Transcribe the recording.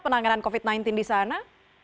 penanganan covid sembilan belas di sana